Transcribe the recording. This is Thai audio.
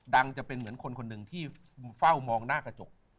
จะเป็นเหมือนคนคนหนึ่งที่เฝ้ามองหน้ากระจก